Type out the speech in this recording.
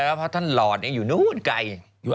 เพราะท่านหลอดเนี่ยอยู่นู้นไกล